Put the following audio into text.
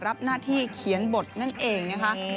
รับหน้าที่เขียนบทนั่นเองนะคะ